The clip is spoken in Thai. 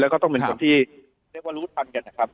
แล้วก็ต้องเป็นคนที่เรียกว่ารู้ทันกันนะครับ